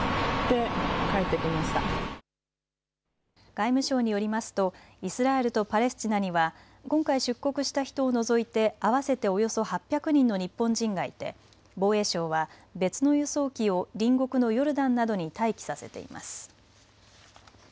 外務省によりますとイスラエルとパレスチナには今回、出国した人を除いて合わせておよそ８００人の日本人がいて防衛省は別の輸送機を隣国のヨルダンなどに待機させています。